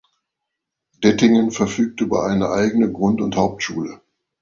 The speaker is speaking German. Dettingen verfügt über eine eigene Grund- und Hauptschule.